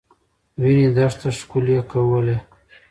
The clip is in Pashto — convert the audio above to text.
وینې دښته ښکلې کولې.